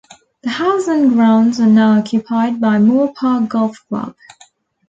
The house and grounds are now occupied by Moor Park Golf Club.